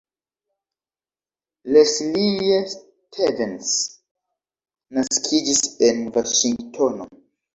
Leslie Stevens naskiĝis en Vaŝingtono.